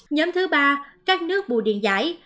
nhóm thứ ba các nước bù điện giải